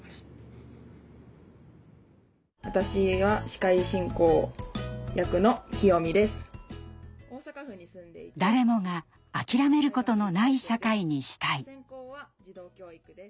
その子たちが誰もが諦めることのない社会にしたい。